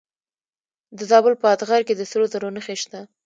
د زابل په اتغر کې د سرو زرو نښې شته.